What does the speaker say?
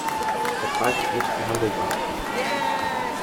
Der Preis ist nicht verhandelbar.